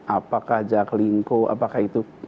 apakah jaklingco apakah itu